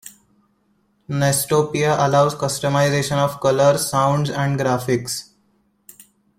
Nestopia allows customization of colors, sounds, and graphics.